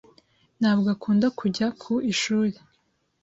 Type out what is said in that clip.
Ntabwo akunda kujya ku ishuri.